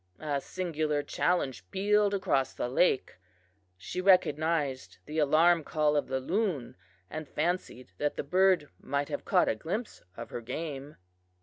A singular challenge pealed across the lake. She recognized the alarm call of the loon, and fancied that the bird might have caught a glimpse of her game.